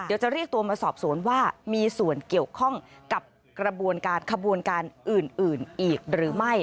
เดี๋ยวจะเรียกตัวมาสอบสวนว่ามีส่วนเกี่ยวข้องกับกระบวนการขบวนการอื่นอีกหรือไม่